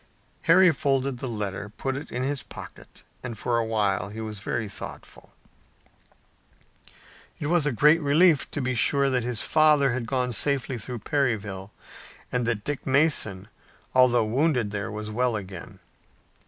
Harry folded the letter, put it in his pocket, and for a while he was very thoughtful. It was a great relief to be sure that his father had gone safely through Perryville, and that Dick Mason, although wounded there, was well again.